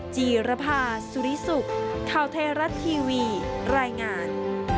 จีรภาสุริสุขข่าวไทยรัฐทีวีรายงาน